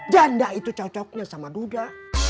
janda itu cocoknya sama duga